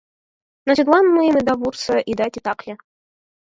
Но тидлан мыйым ида вурсо, ида титакле.